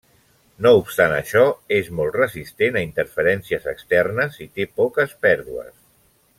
No obstant això és molt resistent a interferències externes i té poques pèrdues.